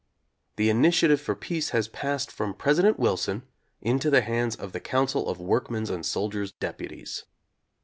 The initiative for peace has passed from President Wilson into the hands of the Council of Workmen's and Soldiers' Deputies.